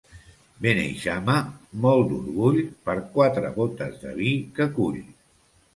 Beneixama, molt d'orgull, per quatre botes de vi que cull.